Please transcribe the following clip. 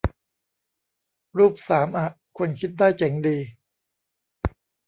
รูปสามอะ คนคิดได้เจ๋งดี